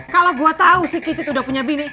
kalo gue tau si kicit udah punya bini